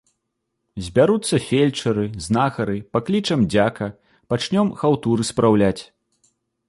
Збяруцца фельчары, знахары, паклічам дзяка, пачнём хаўтуры спраўляць.